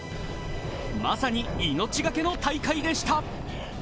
まさに命がけの大会でした。